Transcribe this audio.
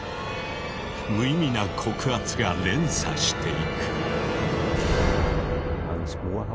無意味な告発が連鎖していく。